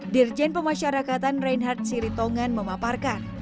dirjen pemasyarakatan reinhard siritongan memaparkan